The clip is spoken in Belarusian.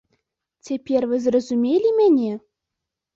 Цяпер вы зразумелі мяне?